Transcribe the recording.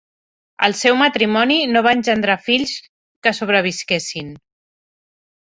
El seu matrimoni no va engendrar fills que sobrevisquessin.